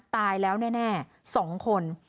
ตายแล้วแน่๒คน